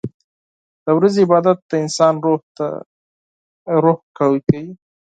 • د ورځې عبادت د انسان روح قوي کوي.